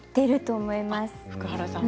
福原さん。